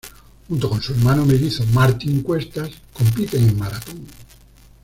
Junto con su hermano mellizo Martín Cuestas compiten en maratón.